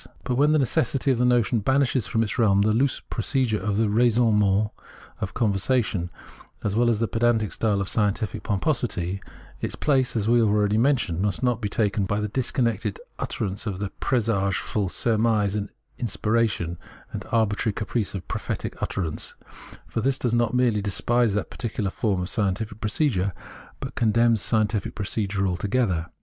But when the necessity of the notion banishes from its realm the loose procedure of the " raisonnements " of conversation, as well as the pedantic style of scientific pomposity, its place, as we have already mentioned, must not be taken by the disconnected utterance of presageful surmise and inspiration, and the arbitrary caprice of prophetic utterance ; for this does not merely despise that particular form of scien tific procedure, but contemns scientific procedure altogether.